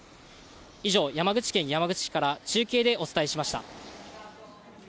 以上、山口県山口市から中継でお伝えしました。